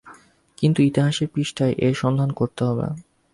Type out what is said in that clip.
কিন্তু ইতিহাসের পৃষ্ঠায় এর সন্ধান করতে হবে।